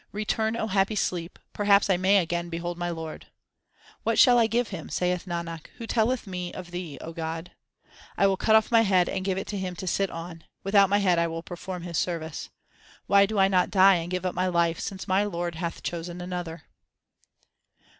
Return, O happy sleep, perhaps I may again behold my Lord. What shall I give him, saith Nanak, who telleth me of Thee, O God ? I will cut off my head and give it to him to sit on ; without my head I will perform his service. Why do I not die and give up my life since my Lord hath chosen another